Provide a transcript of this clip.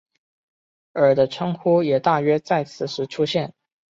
而的称呼也大约在此时出现。